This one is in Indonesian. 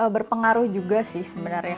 berpengaruh juga sih sebenarnya